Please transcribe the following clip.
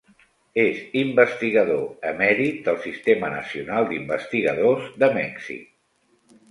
És investigador emèrit del Sistema Nacional d'Investigadors de Mèxic.